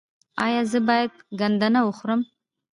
ایا زه باید ګندنه وخورم؟